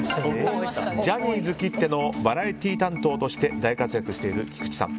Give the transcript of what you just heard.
ジャニーズきってのバラエティー担当として大活躍している菊池さん。